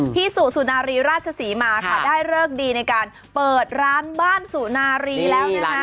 พี่สุสุนารีราชศรีมาค่ะได้เลิกดีในการเปิดร้านบ้านสุนารีแล้วนะคะ